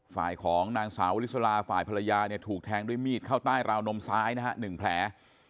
ฝ่ายของนางสาวลิสลาฝ่ายภรรยาเนี่ยถูกแทงด้วยมีดเข้าใต้ราวนมซ้ายนะฮะ๑แผล